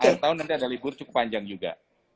akhir tahun nanti ada libur cukup panjang juga